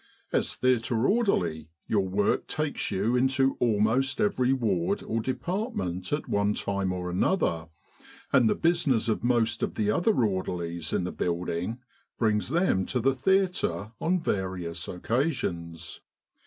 As theatre orderly your work takes you into almost every ward or department at one time or another, and the business of most of the other orderlies in the building brings 234 Military General Hospitals in Egypt them to the theatre on various occasions.